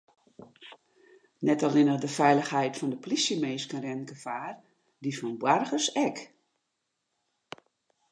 Net allinnich de feilichheid fan de polysjeminsken rint gefaar, dy fan boargers ek.